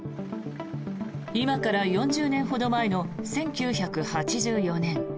今から４０年ほど前の１９８４年。